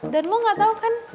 dan lo gak tau kan